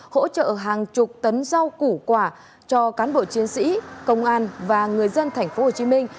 hỗ trợ hàng chục tấn rau củ quả cho cán bộ chiến sĩ công an và người dân thành phố hồ chí minh